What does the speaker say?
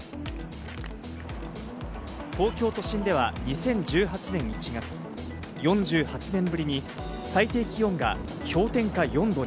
東京都心では２０１８年１月、４８年ぶりに最低気温が氷点下４度に。